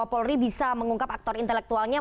polri bisa mengungkap aktor intelektualnya